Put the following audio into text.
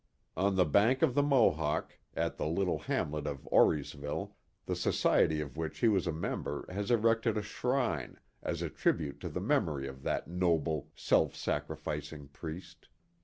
On the bank of the Mohawk, at the little hamlet of Auriesville, the society of which he was a member has erected a shrine, as a tribute to the memory of that noble, self sacrific ing priest.